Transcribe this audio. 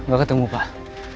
gak ketemu pak